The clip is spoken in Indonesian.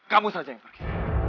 kamu saja yang pergi